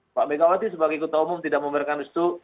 mbak megawati sebagai kota umum tidak memberikan restu